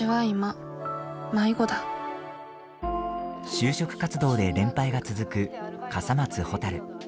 就職活動で連敗が続く笠松ほたる。